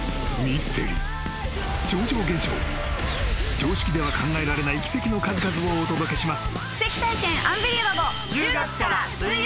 ［常識では考えられない奇跡の数々をお届けします］